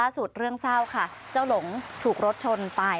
เศร้าค่ะเจ้าหลงถูกรถชนตาย